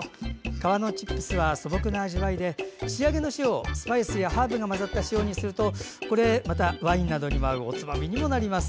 皮のチップスは素朴な味わいで仕上げの塩をスパイスやハーブが混ざった塩にするとワインなどにも合うおつまみになります。